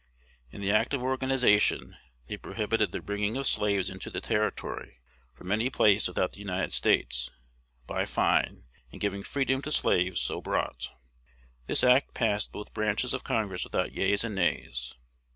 In the act of organization they prohibited the bringing of slaves into the Territory, from any place without the United States, by fine, and giving freedom to slaves so brought. This act passed both branches of Congress without yeas and nays.